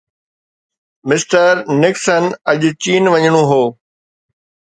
mister Nixon اڄ چين وڃڻو هو